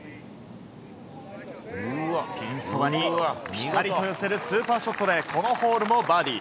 ピンそばにピタリと寄せるスーパーショットでこのホールもバーディー。